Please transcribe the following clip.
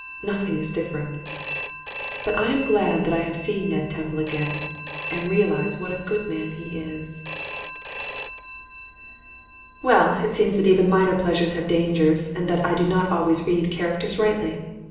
Nothing is different, but I am glad that I have seen Ned Temple again, and realize what a good man he is. Well, it seems that even minor pleasures have dangers, and that I do not always read characters rightly.